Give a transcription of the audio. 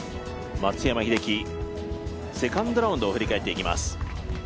松山英樹、セカンドラウンドを振り返っていきます。